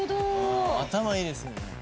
頭いいですね。